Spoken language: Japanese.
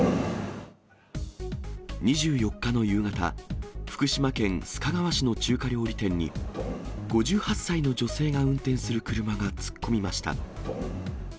２４日の夕方、福島県須賀川市の中華料理店に、５８歳の女性が運転する車が突っ込みました。